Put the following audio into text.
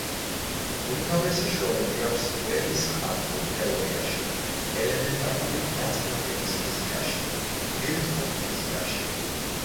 უმთავრესი შრომები აქვს ველის კვანტურ თეორიაში, ელემენტარული ნაწილაკების ფიზიკაში, ბირთვულ ფიზიკაში.